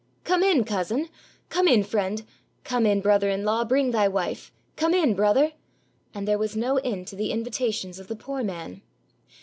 " Come in, cousin ! Come in, friend ! Come in, brother in law, bring thy wife! Come in, brother! "— and there was no end to the invitations of the poor man.